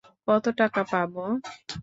কত টাকা পাবো?